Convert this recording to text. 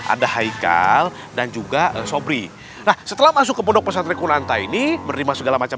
ada haikal dan juga sobri nah setelah masuk ke pondok pesantren kulanta ini menerima segala macam